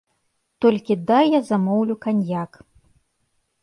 Толькі дай я замоўлю каньяк.